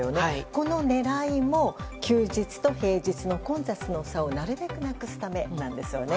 この狙いも休日と平日の混雑の差をなるべくなくすためなんです。